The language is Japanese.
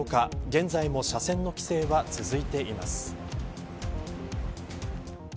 現在も車線の規制は続いています。